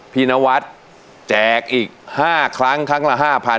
นวัฒน์แจกอีก๕ครั้งครั้งละ๕๐๐๐